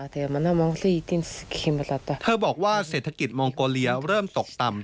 เธอบอกว่าเศรษฐกิจมองโกเลียเริ่มตกต่ำ